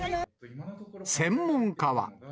専門家は。